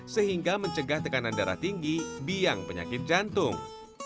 sehingga mencegah tekanan darah tinggi biang penyakit jantung